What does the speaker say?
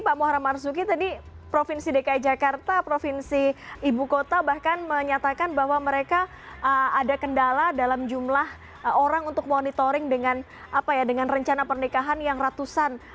pak muharam marzuki tadi provinsi dki jakarta provinsi ibu kota bahkan menyatakan bahwa mereka ada kendala dalam jumlah orang untuk monitoring dengan rencana pernikahan yang ratusan